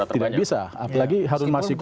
tidak bisa apalagi harun masiku